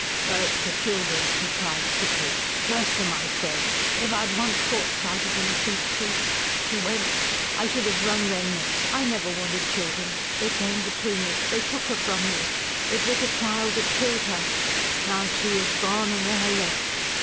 "Curse the children!" he cried thickly. "Curse them, I say! If I had once caught sight of them since she ... she went, I should have wrung their necks. I never wanted children. They came between us. They took her from me. It was a child that killed her. Now, she is gone and they are left.